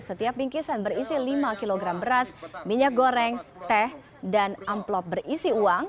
setiap bingkisan berisi lima kg beras minyak goreng teh dan amplop berisi uang